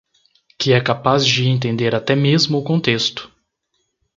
Que é capaz de entender até mesmo o contexto.